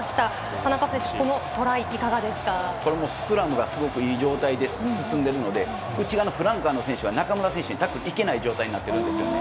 田中選手、このトライ、いかがでこれもスクラムがすごくいい状態で進んでいるので、内側のフランカーの選手が中村選手にタックルいけないようになってるんですね。